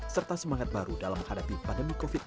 serta semangat baru dalam menghadapi pandemi covid sembilan belas